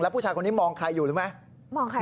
แล้วผู้ชายคนนี้มองใครอยู่หรือไม่